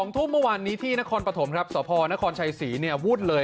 ๒ทุ่มเมื่อวานนี้ที่นครปฐมครับสพนครชัยศรีเนี่ยวุ่นเลย